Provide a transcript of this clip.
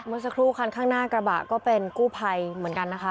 เมื่อสักครู่คันข้างหน้ากระบะก็เป็นกู้ภัยเหมือนกันนะคะ